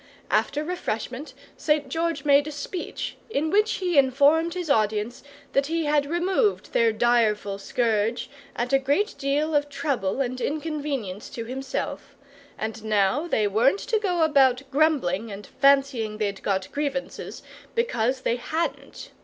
After refreshment St. George made a speech, in which he informed his audience that he had removed their direful scourge, at a great deal of trouble and inconvenience to him self, and now they weren't to go about grumbling and fancying they'd got grievances, because they hadn't.